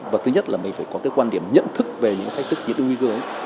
và thứ nhất là mình phải có cái quan điểm nhận thức về những cái thách thức những cái nguy cư